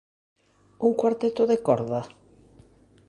Un cuarteto de corda?